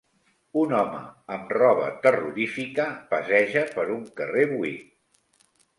Un home amb roba terrorífica passeja per un carrer buit